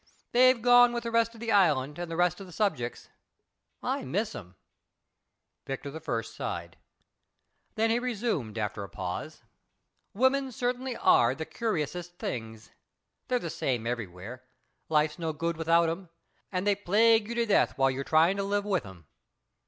They're gone with the rest of the island and the rest of the subjects. I miss 'em." Victor I. sighed. Then he resumed after a pause: "Women certainly are the curiousest things. They're the same everywhere. Life's no good without 'em, and they plague you to death while you're trying to live with 'em.